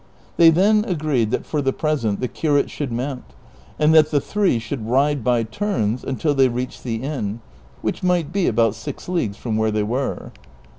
They then agreed that for the present the curate should mount, and that the three should ride by turns until they reached the inn, which might be about six leagues from where they were.'